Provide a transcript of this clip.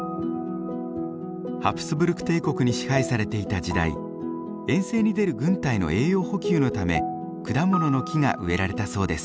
ハプスブルク帝国に支配されていた時代遠征に出る軍隊の栄養補給のため果物の木が植えられたそうです。